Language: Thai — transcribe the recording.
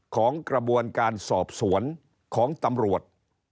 ของกระบวนการสอบสวนของตำรวจ